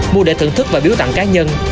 mua để thưởng thức và biếu tặng cá nhân